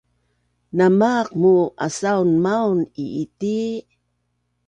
Namaaq muu asaun maun i’iti?